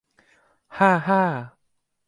ฮ่า ฮ่า